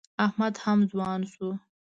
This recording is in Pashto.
احمد هم ځوان شو.